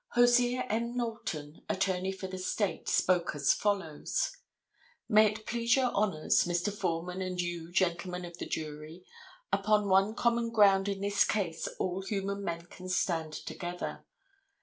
Hosea M. Knowlton, attorney for the State, spoke as follows: May it please your honors, Mr. Foreman and you, gentlemen of the jury—Upon one common ground in this case all human men can stand together.